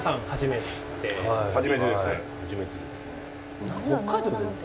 初めてですね。